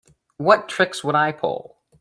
What tricks would I pull?